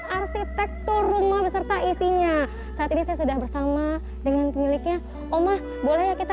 arsitektur rumah beserta isinya saat ini saya sudah bersama dengan pemiliknya omah boleh ya kita